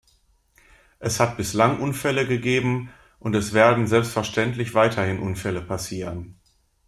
Es hat bislang Unfälle gegeben, und es werden selbstverständlich weiterhin Unfälle passieren.